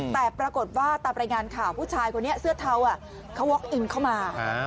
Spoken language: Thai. แต่ปรากฏว่าตามรายงานข่าวผู้ชายคนนี้เสื้อเทาเขาวอคอินเข้ามา